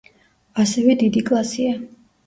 ასევე დიდი კლასია.